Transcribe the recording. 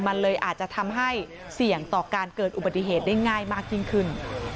มันเลยอาจจะทำให้เสี่ยงต่อการเกิดอุบัติเหตุได้ง่ายมากยิ่งขึ้น